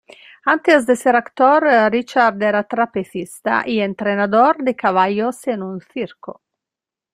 Antes de ser actor Richard era trapecista y entrenador de caballos en un circo.